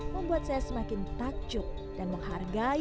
membuat saya semakin takjub dan menghargai